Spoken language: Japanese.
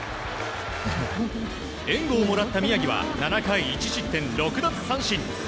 援護をもらった宮城は７回１失点６奪三振。